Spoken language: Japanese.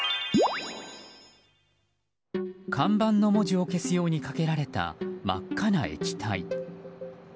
看板の文字を消すようにかけられた、真っ赤な液体。